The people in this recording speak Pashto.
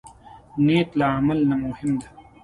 نیت له عمل نه مهم دی.